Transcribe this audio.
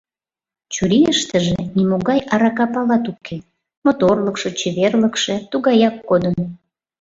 Чурийыштыже нимогай арака палат уке — моторлыкшо, чеверлыкше тугаяк кодын.